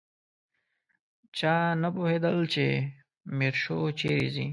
چا نه پوهېدل چې میرشو چیرې ځي.